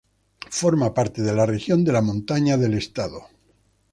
Forma parte de la región de la Montaña del estado.